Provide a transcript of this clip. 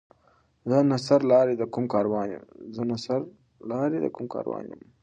زه نه سر لاری د کوم کاروان یم